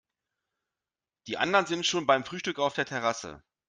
Die anderen sind schon beim Frühstück auf der Terrasse.